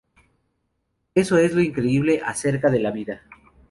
Eso es lo increíble acerca de la vida.